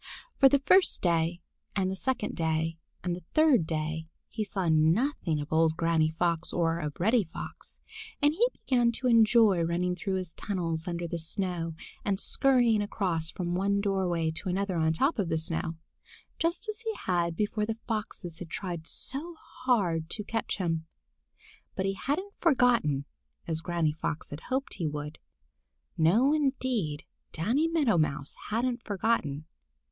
But the first day and the second day and the third day he saw nothing of old Granny Fox or of Reddy Fox, and he began to enjoy running through his tunnels under the snow and scurrying across from one doorway to another on top of the snow, just as he had before the Foxes had tried so hard to catch him. But he hadn't forgotten, as Granny Fox had hoped he would. No, indeed, Danny Meadow Mouse hadn't forgotten.